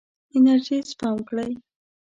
انرژي سپم کړئ.